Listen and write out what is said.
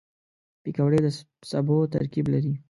پکورې د سبو ترکیب لري